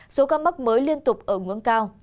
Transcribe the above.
số ca mắc mới liên tục ở nguồn cao